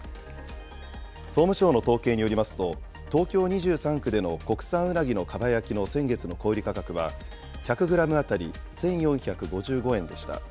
総務省の統計によりますと、東京２３区での国産うなぎのかば焼きの先月の小売り価格は、１００グラム当たり１４５５円でした。